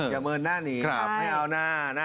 อย่าเมินน่านีไม่เอานะ